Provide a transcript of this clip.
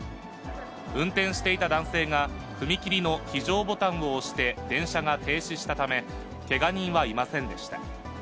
運転していた男性が、踏切の非常ボタンを押して、電車が停止したため、けが人はいませんでした。